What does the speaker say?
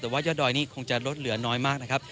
แต่ว่ายอดดอยนี่คงจะลดเหลือน้อยมากนะครับ